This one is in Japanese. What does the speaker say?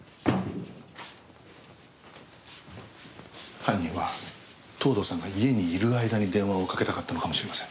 犯人は藤堂さんが家にいる間に電話をかけたかったのかもしれません。